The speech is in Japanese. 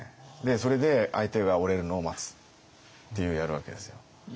それで相手が折れるのを待つってやるわけですよ。